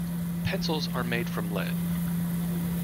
Pencils are made from lead.